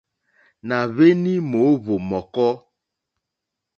Nà hweni mòohvò mɔ̀kɔ.